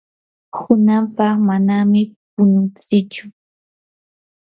hunaqpa manami pununtsichu.